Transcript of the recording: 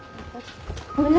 ごめんね。